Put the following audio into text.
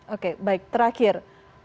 oke baik terakhir